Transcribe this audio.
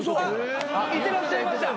いてらっしゃいました。